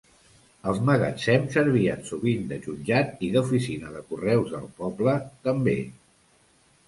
Els magatzems servien sovint de jutjat i d'oficina de correus del poble, també.